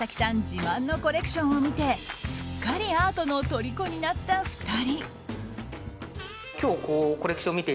自慢のコレクションを見てすっかりアートのとりこになった２人。